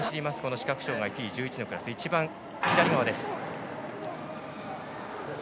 視覚障がいＴ１１のクラス一番左側です。